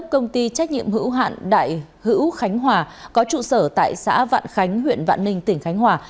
công ty trách nhiệm hữu hạn đại hữu khánh hòa có trụ sở tại xã vạn khánh huyện vạn ninh tỉnh khánh hòa